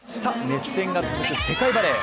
熱戦が続く世界バレー！